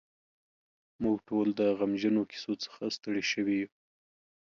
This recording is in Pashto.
موږ ټول د غمجنو کیسو څخه ستړي شوي یو.